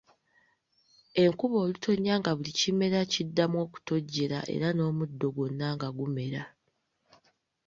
Enkuba olutonya nga buli kimera kiddamu okutojjera era n'omuddo gwonna ne gumera.